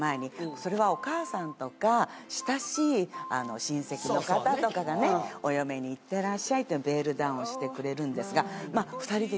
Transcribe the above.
それはお母さんとか親しい親戚の方とかがねお嫁にいってらっしゃいってベールダウンをしてくれるんですが。